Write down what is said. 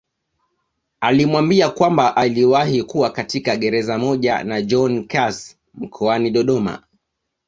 Alimwambia kwamba aliwahi kuwa katika gereza moja na John Carse mkoani Dodoma